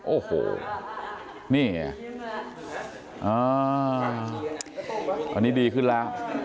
โอ้โหนี่ไงตอนนี้ดีขึ้นแล้ว